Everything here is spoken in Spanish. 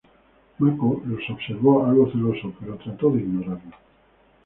Mako los observó algo celoso pero trato de ignorarlo.